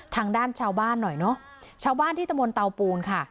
ทางด้านชาวบ้านหน่อยเนอะชาวบ้านที่ตะมนเตาปูนค่ะ